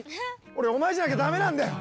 俺お前じゃなきゃダメなんだよ。